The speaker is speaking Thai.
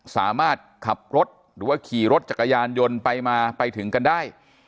สามารถขับรถหรือว่าขี่รถจักรยานยนต์ไปมาไปถึงกันได้